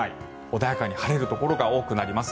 穏やかに晴れるところが多くなります。